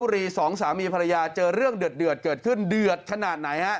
สองสามีภรรยาเจอเรื่องเดือดเกิดขึ้นเดือดขนาดไหนฮะ